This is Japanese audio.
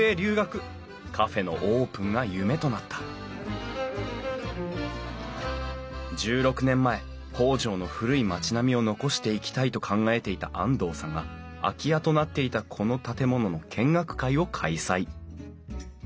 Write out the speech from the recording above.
カフェのオープンが夢となった１６年前北条の古い町並みを残していきたいと考えていた安藤さんが空き家となっていたこの建物の見学会を開催。